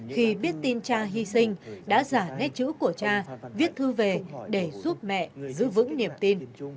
khi biết tin cha hy sinh đã giả nghe chữ của cha viết thư về để giúp mẹ giữ vững niềm tin